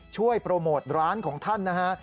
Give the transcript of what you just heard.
ช่วยโปรโมทร้านของท่านนะฮะ